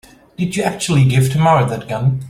Did you actually give Tamara that gun?